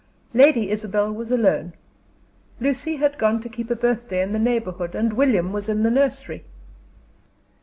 Lady Isabel was alone. Lucy had gone to keep a birthday in the neighborhood, and William was in the nursery.